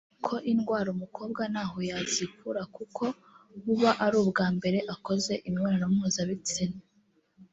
ko indwara umukobwa ntaho yazikura kuko buba ari ubwa mbere akoze imibonano mpuzabitsina